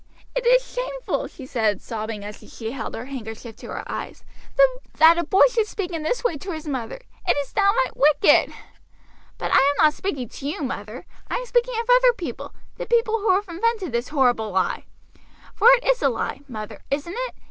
"It is shameful," she said, sobbing, as she held her handkerchief to her eyes, "that a boy should speak in this way to his mother; it is downright wicked." "But I am not speaking to you, mother; I am speaking of other people the people who have invented this horrible lie for it is a lie, mother, isn't it?